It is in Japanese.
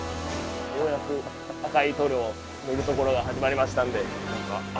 ようやく赤い塗料を塗るところが始まりましたんで。